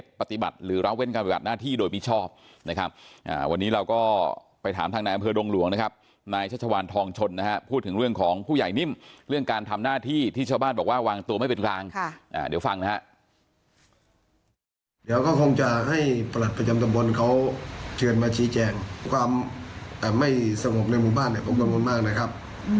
เดี๋ยวก็คงจะให้ประหลัดประจำตำบลเขาเชิญมาชี้แจงความอ่าไม่สงบในหมู่บ้านเนี่ยผมกังวลมากนะครับ